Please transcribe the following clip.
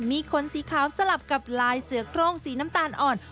มีขนสีขาวสลับกับลายเสือโครงสีน้ำตาลอ่อน